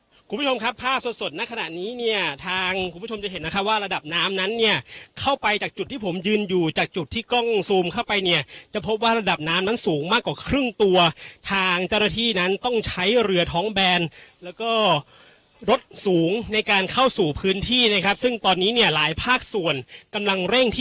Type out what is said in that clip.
คุณผู้ชมครับภาพสดสดณขณะนี้เนี่ยทางคุณผู้ชมจะเห็นนะคะว่าระดับน้ำนั้นเนี่ยเข้าไปจากจุดที่ผมยืนอยู่จากจุดที่กล้องซูมเข้าไปเนี่ยจะพบว่าระดับน้ำนั้นสูงมากกว่าครึ่งตัวทางเจ้าหน้าที่นั้นต้องใช้เรือท้องแบนแล้วก็รถสูงในการเข้าสู่พื้นที่นะครับซึ่งตอนนี้เนี่ยหลายภาคส่วนกำลังเร่งที่